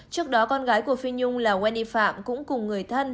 trước đó con gái của phi nhung là wendy phạm cũng cùng người thân